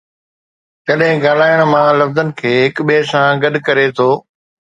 جڏهن ڳالهائڻ، مان لفظن کي هڪ ٻئي سان گڏ ڪري ٿو